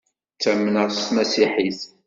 Ttamneɣ s tmasiḥit.